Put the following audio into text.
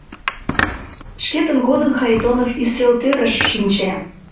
Шкетын кодын Харитонов ӱстелтӧрыш шинче.